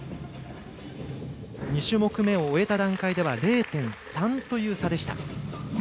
２種目めを終えた段階では０．３という差でした。